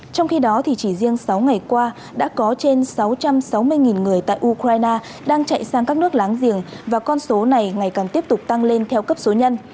trong khi đó chỉ riêng sáu ngày qua đã có trên sáu trăm sáu mươi người tại ukraine đang chạy sang các nước láng giềng và con số này ngày càng tiếp tục tăng lên theo cấp số nhân